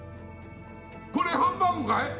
これハンバーグかい？